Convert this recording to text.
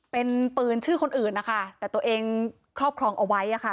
เป็นปืนชื่อคนอื่นนะคะแต่ตัวเองครอบครองเอาไว้ค่ะ